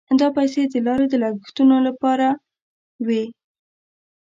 دا پیسې د لارې د لګښتونو لپاره وې.